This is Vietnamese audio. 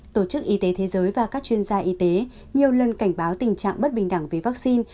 tổ chức y tế thế giới và các chuyên gia y tế nhiều lần cảnh báo tình trạng bất bình đẳng về vaccine